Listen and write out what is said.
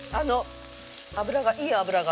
脂がいい脂が。